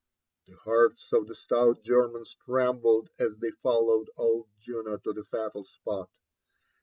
The hearts of the stout Germans trembled as they followed old Juno to the fatal spot.